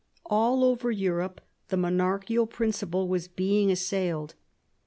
All over Europe the monarchical principle was being assailed.